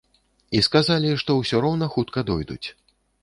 І сказалі, што ўсё роўна хутка дойдуць.